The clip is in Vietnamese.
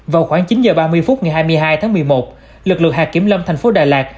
vào khoảng chín h ba mươi phút ngày hai mươi hai tháng một mươi một lực lượng hạt kiểm lâm thành phố đà lạt